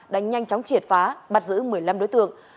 đã nhanh chóng triệt phá bắt giữ một mươi năm đối tượng